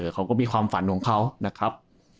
เขาก็มีความฝันของเขานะครับ